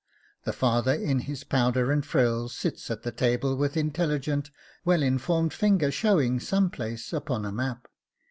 The father in his powder and frills sits at the table with intelligent, well informed finger showing some place upon a map.